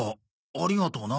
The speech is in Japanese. ありがとうな。